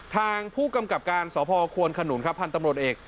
ทางผู้กำกับการสพควนขนุนครับพันธ์ตำรวจเอก